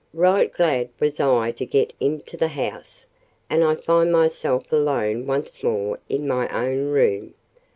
Right glad was I to get into the house, and find myself alone once more in my own room.